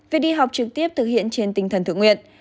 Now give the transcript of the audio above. việc đi học trực tiếp thực hiện trên tinh thần thượng nguyện